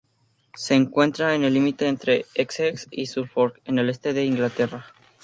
Se encuentra en el límite entre Essex y Suffolk, en el este de Inglaterra.